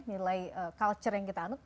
nilai culture yang kita anut